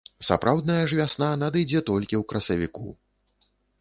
Сапраўдная ж вясна надыдзе толькі ў красавіку.